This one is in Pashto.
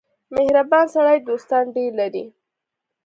• مهربان سړی دوستان ډېر لري.